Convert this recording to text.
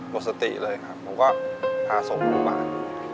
บกสติเลยครับผมก็พาส่งไปบ้าน